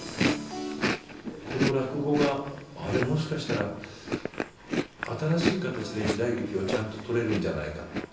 この落語が、あれ、もしかしたら、新しいかたちで時代劇をちゃんと撮れるんじゃないか。